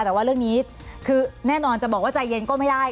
แต่ว่าเรื่องนี้คือแน่นอนจะบอกว่าใจเย็นก็ไม่ได้